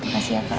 makasih ya kak